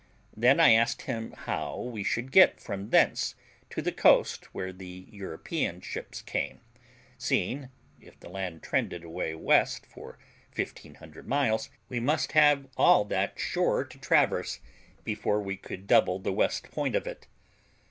Then I asked him how we should get from thence to the coast where the European ships came, seeing, if the land trended away west for 1500 miles, we must have all that shore to traverse before we could double the west point of it.